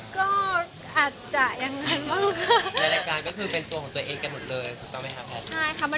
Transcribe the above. ก็อาจจะอย่างนั้นบ้างค่ะ